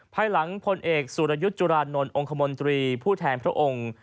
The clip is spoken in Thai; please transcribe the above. ภายหลังพลเอกสุรยุทธ์จุรานนท์องค์คมนตรีผู้แทนพระองค์